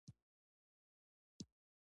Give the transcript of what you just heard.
دویم: ټیټ مالیات ډېر اهمیت لري.